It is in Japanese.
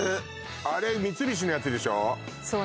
あれ、三菱のやつでしょう。